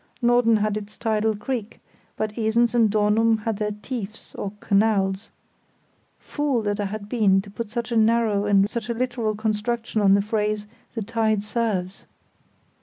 Norden had its tidal creek, but Esens and Dornum had their "tiefs" or canals. Fool that I had been to put such a narrow and literal construction on the phrase "the tide serves!"